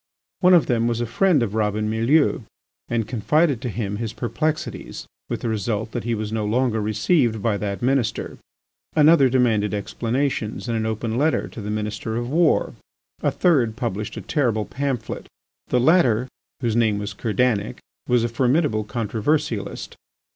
One of them was a friend of Robin Mielleux and confided to him his perplexities, with the result that he was no longer received by that Minister. Another demanded explanations in an open letter to the Minister of War. A third published a terrible pamphlet. The latter, whose name was Kerdanic, was a formidable controversialist.